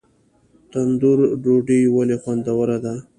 تندور ډوډۍ ولې خوندوره ده؟